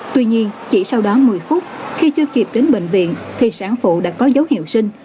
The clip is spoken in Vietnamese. tuy nhiên chỉ sau đó một mươi phút khi chưa kịp đến bệnh viện thì sản phụ đã có dấu hiệu sinh